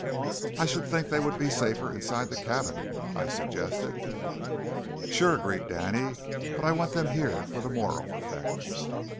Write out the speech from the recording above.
"I should think they would be safer inside the cabin," I suggested. "Sure," agreed Danny, "but I want them here for the moral effect."